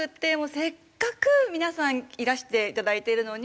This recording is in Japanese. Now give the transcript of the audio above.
せっかく皆さんいらして頂いてるのに。